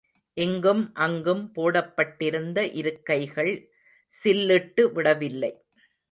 இங்கும் அங்கும் போடப்பட்டிருந்த இருக்கைகள் சில்லிட்டு விடவில்லை.